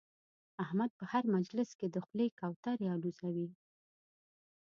احمد په هر مجلس کې د خولې کوترې اولوزوي.